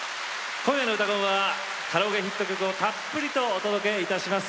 今夜の「うたコン」はカラオケヒット曲をたっぷりとお届けいたします。